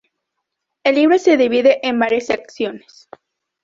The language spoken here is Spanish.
El libro se divide en varias secciones.